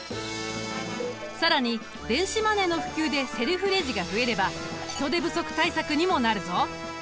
更に電子マネーの普及でセルフレジが増えれば人手不足対策にもなるぞ！